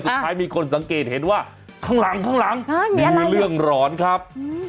สุดท้ายมีคนสังเกตเห็นว่าข้างหลังมีเรื่องร้อนครับ